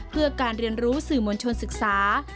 เพื่อการเรียนรู้สื่อมวลชนศึกษา